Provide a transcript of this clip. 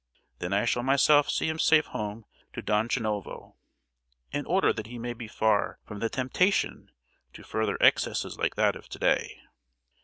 Thence I shall myself see him safe home to Donchanovo, in order that he may be far from the temptation to further excesses like that of to day.